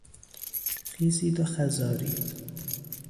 خیزید و خز آرید...